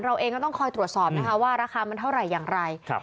เราเองก็ต้องคอยตรวจสอบนะคะว่าราคามันเท่าไหร่อย่างไร